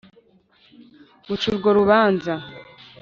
muca urwo rubanza,